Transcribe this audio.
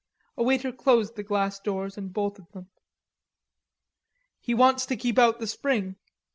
A waiter closed the glass doors and bolted them. "He wants to keep out the spring.